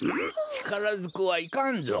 ちからずくはいかんぞ。